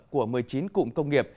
của một mươi chín cụm công nghiệp